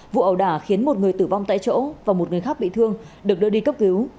vụ ẩu đả khiến một người tử vong tại chỗ và một người khác bị thương được đưa đi cấp cứu